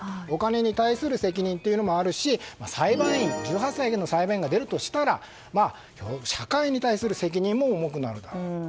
お金に対する責任もあるし１８歳で裁判員が出るとしたら社会に対する責任も重くなる。